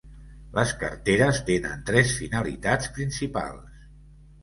Les carteres tenen tres finalitats principals.